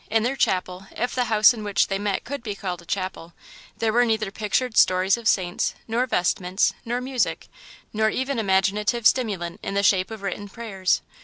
In their chapel, if the house in which they met could be called a chapel, there were neither pictured stories of saints, nor vestments, nor music, nor even imaginative stimulant in the shape of written prayers.